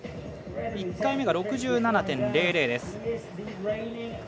１回目が６７．００です。